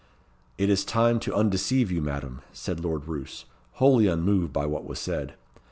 "It is time to undeceive you, Madam," said Lord Roos, wholly unmoved by what was said.